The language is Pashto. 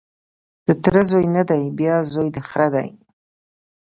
د تره زوی نه دی بیا زوی د خره دی